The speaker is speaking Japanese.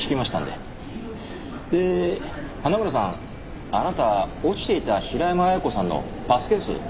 で花村さんあなたは落ちていた平山亜矢子さんのパスケースお持ちですよね？